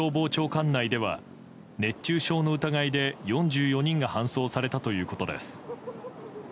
管内では熱中症の疑いで４４人が搬送されたということです。